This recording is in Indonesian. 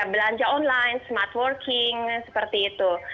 belanja online smart working seperti itu